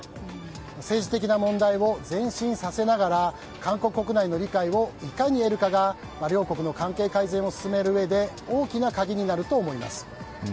政治的な問題を前進させながら韓国国内の理解をいかに得るかが両国の関係改善を進めるうえで大きな鍵になると思います。